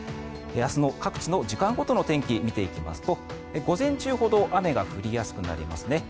明日の各地の時間ごとの天気を見ていきますと午前中ほど雨が降りやすくなりますね。